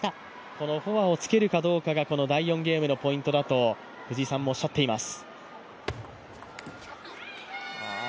このフォアを突けるどうかが第４ゲームのポイントだと藤井さんもおっしゃってます。